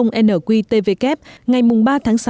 nqtvk ngày ba tháng sáu